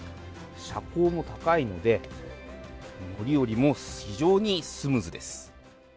車高も高いので、乗り降りも非常にスムーズです。